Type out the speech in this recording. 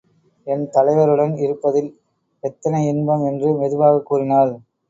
என் தலைவருடன் இருப்பதில் எத்தனை இன்பம்! என்று மெதுவாகக் கூறினாள்.